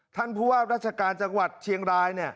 ท่านผู้ว่าราชการจังหวัดเชียงราย